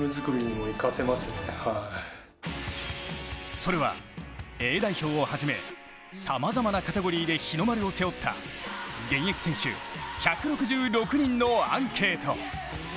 それは、Ａ代表をはじめさまざまなカテゴリーで日の丸を背負った現役選手１６６人のアンケート。